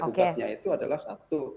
gugatnya itu adalah satu